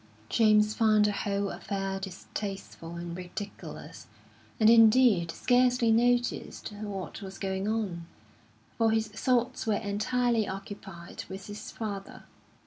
James found the whole affair distasteful and ridiculous; and indeed scarcely noticed what was going on, for his thoughts were entirely occupied with his father.